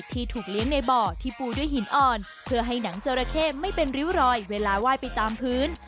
ที่ถูกเลี้ยงในบ่อที่ปูด้วยหินอ่อนเพื่อให้หนังจราเข้ไม่เป็นริ้วรอยเวลาไหว้ไปตามพื้น